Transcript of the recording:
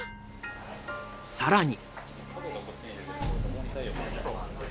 更に。